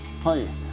はい。